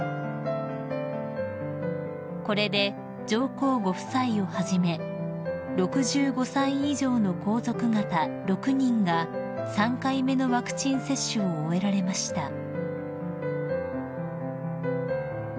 ［これで上皇ご夫妻をはじめ６５歳以上の皇族方６人が３回目のワクチン接種を終えられました］